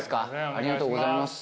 ありがとうございます。